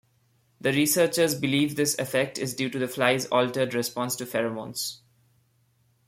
The researchers believe this effect is due to the flies' altered response to pheromones.